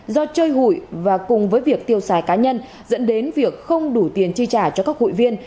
do chơi hụi và cùng với việc tiêu xài cá nhân dẫn đến việc không đủ tiền chi trả cho các hụi viên